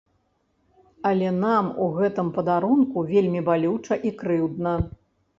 Але нам у гэтым падарунку вельмі балюча і крыўдна.